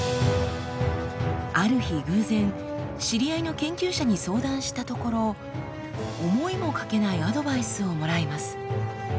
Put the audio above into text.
ある日偶然知り合いの研究者に相談したところ思いもかけないアドバイスをもらいます。